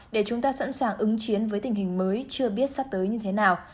để chúng ta sẵn sàng ứng chiến với tình hình mới chưa biết sắp tới như thế nào